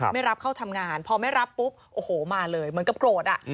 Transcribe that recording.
ไม่รับเข้าทำงานพอไม่รับปุ๊บโอ้โหมาเลยเหมือนกับโกรธ